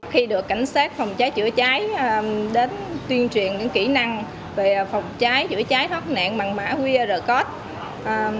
khi được cảnh sát phòng cháy chữa cháy đến tuyên truyền những kỹ năng về phòng cháy chữa cháy thoát nạn bằng mã qr code